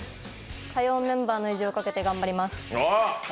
火曜メンバーの意地をかけて頑張ります。